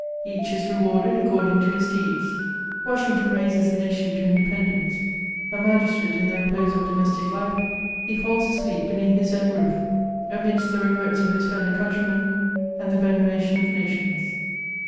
Each is rewarded according to his deeds ; Washington raises a nation to independence ; a magistrate in the repose of domestic life, he falls asleep beneath his own roof, amidst the regrets of his fellow countrymen, and the veneration of nations.